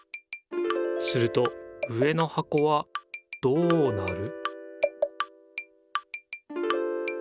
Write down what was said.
すると上のはこはどうなる？